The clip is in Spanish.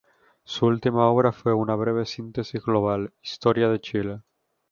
Su última obra fue una breve síntesis global: "Historia de Chile.